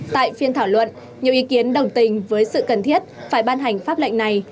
tại phiên thảo luận nhiều ý kiến đồng tình với sự cần thiết phải ban hành pháp lệnh này